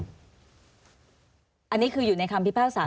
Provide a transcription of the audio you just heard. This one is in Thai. อันนี้คืออยู่ในคำพิพากษา